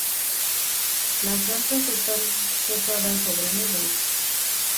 Las santas están posadas sobre nubes.